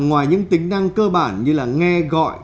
ngoài những tính năng cơ bản như là nghe gọi